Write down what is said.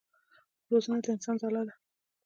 روزنه د انسان ځلا ده.